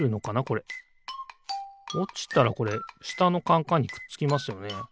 おちたらこれしたのカンカンにくっつきますよね。